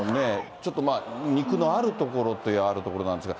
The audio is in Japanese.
ちょっとまあ、肉のある所といえばある所なんですが。